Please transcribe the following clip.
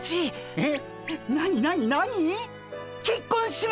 えっ。